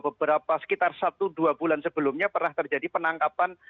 beberapa sekitar satu dua bulan sebelumnya pernah terjadi penangkapan